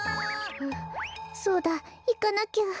んっそうだいかなきゃ。